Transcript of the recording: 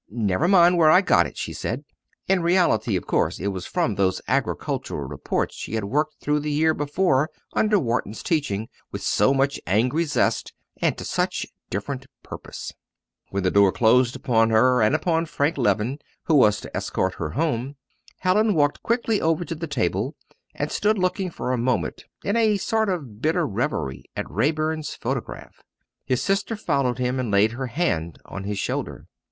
"Never mind where I got it!" she said. In reality, of course, it was from those Agricultural Reports she had worked through the year before under Wharton's teaching, with so much angry zest, and to such different purpose. When the door closed upon her and upon Frank Leven, who was to escort her home, Hallin walked quickly over to the table, and stood looking for a moment in a sort of bitter reverie at Raeburn's photograph. His sister followed him, and laid her hand on his shoulder.